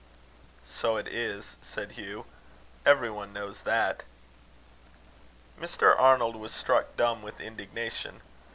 "So it is," said Hugh; "every one knows that." Mr. Arnold was struck dumb with indignation.